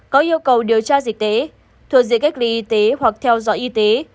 có yêu cầu điều tra dịch tế thuộc dịch cách ly y tế hoặc theo dõi y tế